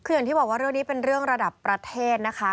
คืออย่างที่บอกว่าเรื่องนี้เป็นเรื่องระดับประเทศนะคะ